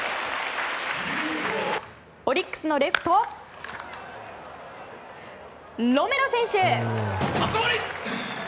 オリックスのレフトロメロ選手！